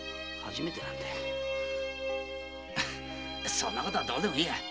そんな事はどうでもいいや。